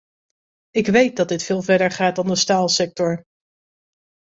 Ik weet dat dit veel verder gaat dan de staalsector.